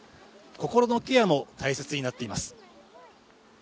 心のケアも大切になっています。